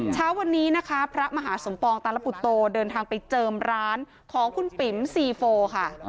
เช้าวันนี้นะคะพระมหาสมปองตาลปุตโตเดินทางไปเจิมร้านของคุณปิ๋มซีโฟค่ะ